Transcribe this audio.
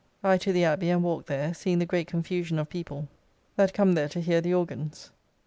I to the Abby and walked there, seeing the great confusion of people that come there to hear the organs.